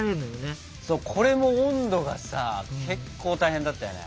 これも温度がさ結構大変だったよね。